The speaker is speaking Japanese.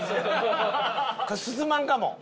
これ進まんかも。